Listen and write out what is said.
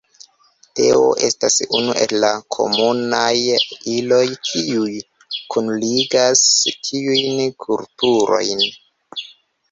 Teo estas unu el la komunaj iloj, kiuj kunligas tiujn kulturojn.